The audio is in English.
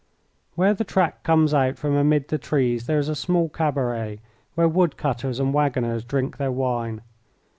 Where the track comes out from amid the trees there is a small cabaret, where wood cutters and waggoners drink their wine.